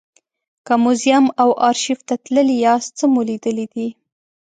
که موزیم او ارشیف ته تللي یاست څه مو لیدلي دي.